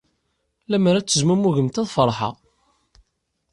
Lemmer ad tezmumgemt, ad feṛḥeɣ.